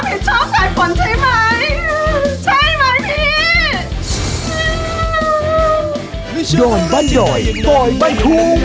พี่จะไม่รับผิดชอบถ่ายฝนใช่ไหม